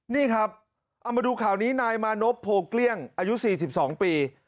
นี่ครับเอามาดูข่าวนี้นายมานพโพเกลี้ยงอายุ๔๒ปี